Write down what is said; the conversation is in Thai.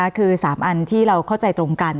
คือ๓อันที่เราเข้าใจตรงกัน